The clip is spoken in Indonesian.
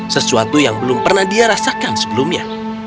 sesuatu yang belum pernah dia rasakan sebelumnya